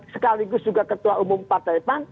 sekaligus juga ketua umum partai pan